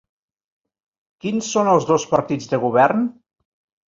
Quins són els dos partits de govern?